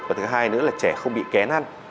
và thứ hai nữa là trẻ không bị kén ăn